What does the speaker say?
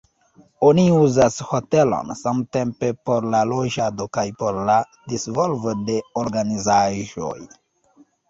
Oni uzas hotelon samtempe por la loĝado kaj por la disvolvo de organizaĵoj.